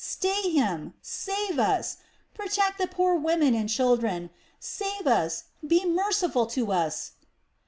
Stay him! Save us! Protect the poor women and children! Save us, be merciful to us!"